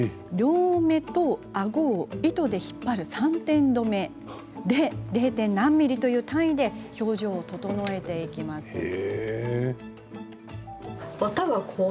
両目とあごを糸で引っ張る３点留めで０．何ミリという単位で表情を整えていきます。